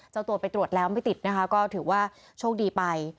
เจ้าตัวไปตรวจแล้วไม่ติดนะชบดีไป